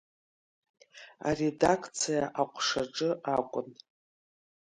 Аредакциа аҟәшаҿы акәын.